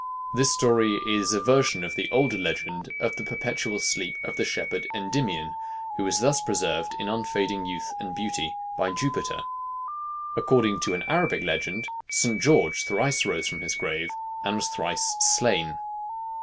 This story is a version of the older legend of the perpetual sleep of the shepherd Endymion, who was thus preserved in unfading youth and beauty by Jupiter. According to an Arabic legend, St. George thrice rose from his grave, and was thrice slain.